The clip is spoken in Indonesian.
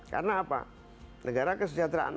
karena apa negara kesejahteraan